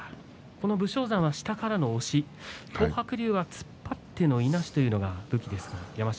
この武将山は下からの押し東白龍は突っ張ってはいなしというのが武器です。